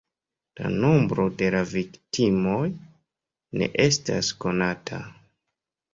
La nombro de la viktimoj ne estas konata.